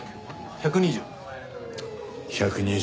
１２０。